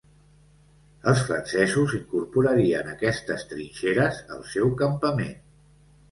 Els francesos incorporarien aquestes trinxeres al seu campament.